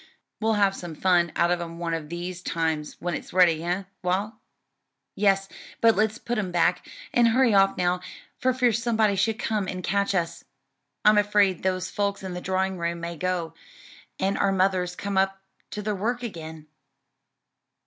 "We'll have some fun out of 'em one of these times when it's ready, eh, Wal?" "Yes, but let's put 'em back, and hurry off now, for fear somebody should come and catch us. I'm afraid those folks in the drawing room may go, and our mothers come up to their work again."